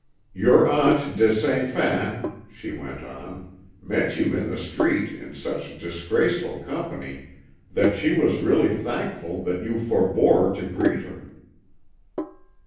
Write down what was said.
"Your Aunt de Saint Fain," she went on, "met you in the street in such disgraceful company that she was really thankful that you forbore to greet her."